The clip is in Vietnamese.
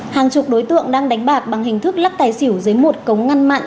hàng chục đối tượng đang đánh bạc bằng hình thức lắc tài xỉu dưới một cống ngăn mặn